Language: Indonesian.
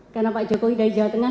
karena pak jokowi dari jawa tengah